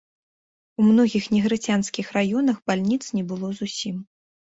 У многіх негрыцянскіх раёнах бальніц не было зусім.